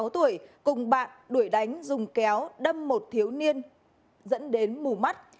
một mươi sáu tuổi cùng bạn đuổi đánh dùng kéo đâm một thiếu niên dẫn đến mù mắt